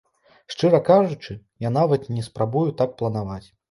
Шчыра кажучы, я нават не спрабую так планаваць.